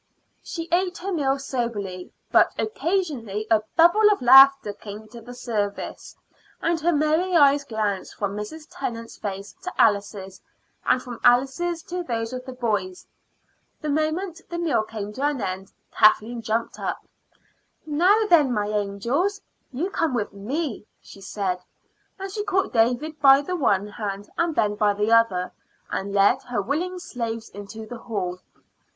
She ate her meal soberly, but occasionally a bubble of laughter came to the surface, and her merry eyes glanced from Mrs. Tennant's face to Alice's, and from Alice's to those of the boys. The moment the meal came to an end Kathleen jumped up. "Now, then, my angels, you come with me," she said, and she caught David by the one hand and Ben by the other, and led her willing slaves into the hall.